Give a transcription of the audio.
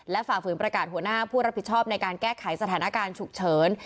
ฝ่าฝืนประกาศหัวหน้าผู้รับผิดชอบในการแก้ไขสถานการณ์ฉุกเฉิน